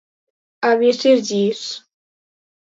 Absis llis.